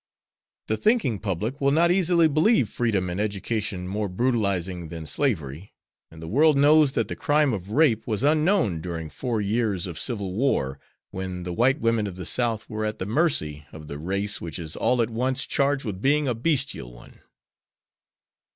The thinking public will not easily believe freedom and education more brutalizing than slavery, and the world knows that the crime of rape was unknown during four years of civil war, when the white women of the South were at the mercy of the race which is all at once charged with being a bestial one.